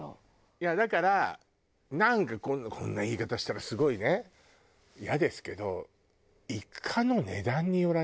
いやだからなんかこんな言い方したらすごいねイヤですけど。